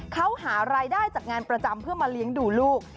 เขาหารายได้จากงานประจำเพื่อมาเลี้ยงดูลูก